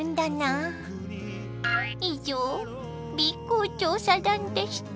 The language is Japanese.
以上Ｂ公調査団でした。